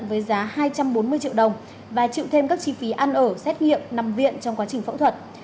với giá hai trăm bốn mươi triệu đồng và chịu thêm các chi phí ăn ở xét nghiệm nằm viện trong quá trình phẫu thuật